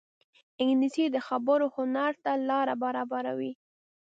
انګلیسي د خبرو هنر ته لاره برابروي